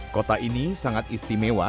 kota ini sangat istimewa